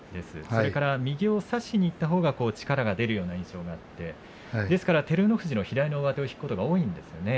それから右を差しにいったほうが力が出るような印象があってですから照ノ富士の左の上手を引くことが多いんですね。